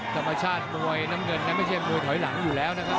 ธรรมชาติมวยน้ำเงินนั้นไม่ใช่มวยถอยหลังอยู่แล้วนะครับ